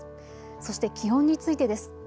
そして気温についてです。